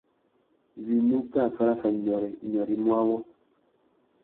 Winú kā farafia nyôrê, nyôrê i mú awô.